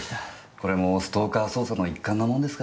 これもストーカー捜査の一環なものですから。